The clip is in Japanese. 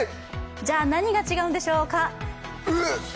何が違うんでしょうか？